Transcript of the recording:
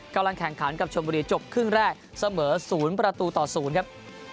กำลังแข่งขันกับชนบุรีจบครึ่งแรกเสมอ๐ประตูต่อ๐ครับ